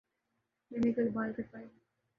میں نے کل بال کٹوائے